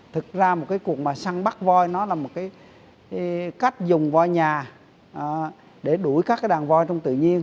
thực ra một cuộc săn bắt voi là một cách dùng voi nhà để đuổi các đàn voi trong tự nhiên